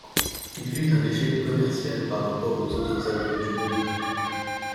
Il fut un échec commercial par rapport aux autres albums du groupe.